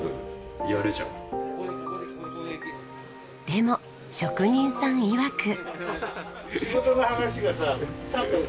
でも職人さんいわく。